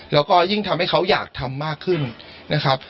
แล้วก็ยิ่งทำให้เขาอยากทำมากขึ้นนะครับ